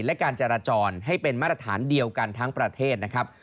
และการจราจรให้เป็นมาตรฐานเดียวกันทั้งประเทศนะครับ